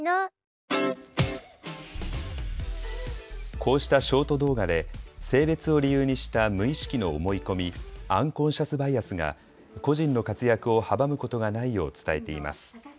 こうしたショート動画で性別を理由にした無意識の思い込み、アンコンシャスバイアスが個人の活躍を阻むことがないよう伝えています。